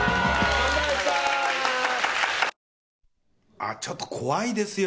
ああちょっと怖いですよ。